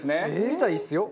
みたいですよ。